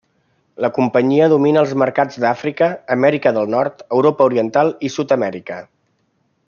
La companyia domina els mercats d'Àfrica, Amèrica del Nord, Europa Oriental i Sud-amèrica.